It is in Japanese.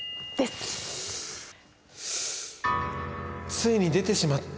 ついに出てしまった。